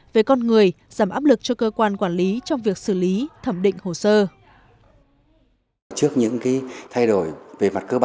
về con người giảm áp lực cho cơ quan quản lý trong việc xử lý thẩm định hồ sơ